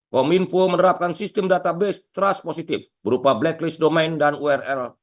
kominfo menerapkan sistem database trust positif berupa blacklist domain dan url